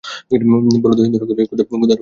বরদাসুন্দরী কহিলেন, ক্ষুধার অপরাধ নেই।